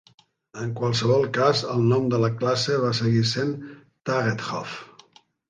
En qualsevol cas, el nom de la classe va seguir sent "Tagetthoff".